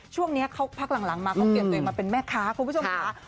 ช่วงนี้เขาพักหลังมาเขาเปลี่ยนตัวเองมาเป็นแม่ค้าคุณผู้ชมค่ะ